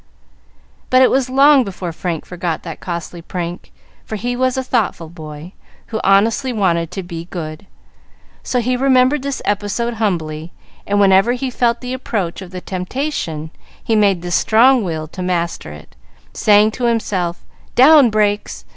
But it was long before Frank forgot that costly prank; for he was a thoughtful boy, who honestly wanted to be good; so he remembered this episode humbly, and whenever he felt the approach of temptation he made the strong will master it, saying to himself "Down brakes!"